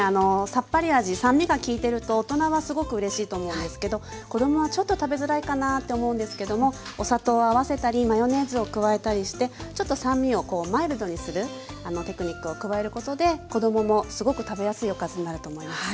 さっぱり味酸味が効いてると大人はすごくうれしいと思うんですけど子供はちょっと食べづらいかなって思うんですけどもお砂糖を合わせたりマヨネーズを加えたりしてちょっと酸味をマイルドにするテクニックを加えることで子供もすごく食べやすいおかずになると思います。